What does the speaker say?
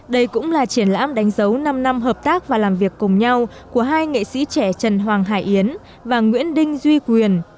đây cũng là triển lãm đánh dấu năm năm hợp tác và làm việc cùng nhau của hai nghệ sĩ trẻ trần hoàng hải yến và nguyễn đinh duy quyền